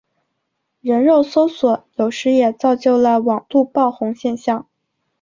人肉搜索有时也造就了网路爆红现象。